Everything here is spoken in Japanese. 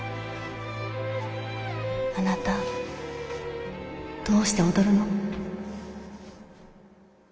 あなたどうして踊るの？